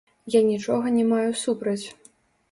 Я нічога не маю супраць.